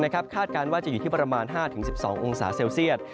คาดการณ์ว่าจะอยู่ที่ประมาณ๕๑๒องศาเซลเซียต